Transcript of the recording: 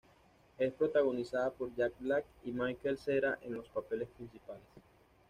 Es protagonizada por Jack Black y Michael Cera en los papeles principales.